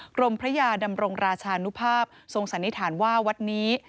กรมพระยาดำรงราชานุภาพทรงสันนิษฐานว่าวัดนี้